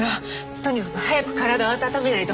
とにかく早く体を温めないと。